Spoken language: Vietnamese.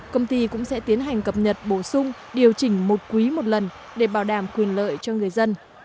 công ty cũng sẽ tiến hành cập nhật bổ sung điều chỉnh một quý một lần để bảo đảm quyền lợi cho người dân